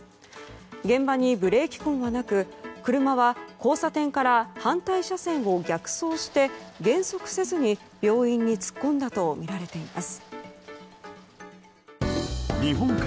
現場にブレーキ痕はなく、車は交差点から反対車線を逆走して減速せずに病院に突っ込んだとみられています。